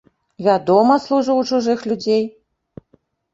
Вядома, служу ў чужых людзей.